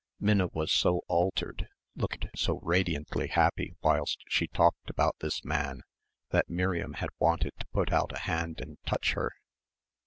Minna was so altered, looked so radiantly happy whilst she talked about this man that Miriam had wanted to put out a hand and touch her.